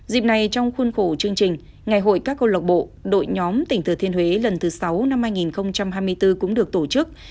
dịp này trong khuôn khổ chương trình ngày hội các câu lộc bộ đội nhóm tỉnh thừa thiên huế lần thứ sáu năm hai nghìn hai mươi bốn cũng được tổ chức